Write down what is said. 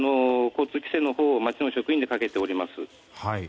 交通規制のほうを町の職員でかけております。